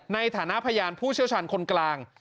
ในฐานะพยานผู้เชี่ยวชาญคนกลาง